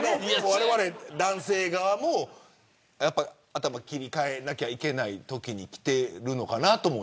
われわれ男性側も頭を切り替えなきゃいけないときにきてるのかなとも。